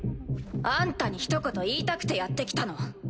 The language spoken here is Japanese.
あんたにひと言言いたくてやってきたの。